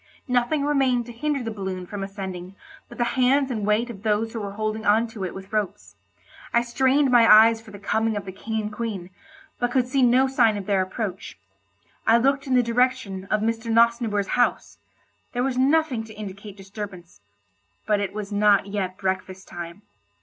Nothing remained to hinder the balloon from ascending but the hands and weight of those who were holding on to it with ropes. I strained my eyes for the coming of the King and Queen, but could see no sign of their approach. I looked in the direction of Mr. Nosnibor's house—there was nothing to indicate disturbance, but it was not yet breakfast time.